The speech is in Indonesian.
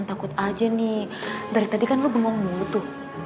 takut aja nih dari tadi kan lo bengong mulu tuh